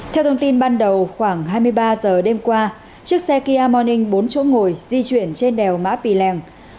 theo thông tin ban đầu khoảng hai mươi ba giờ đêm qua chiếc xe kia morning bốn chỗ ngồi di chuyển trên đèo mã pì lèng